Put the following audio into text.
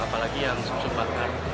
apalagi yang sum sum bakar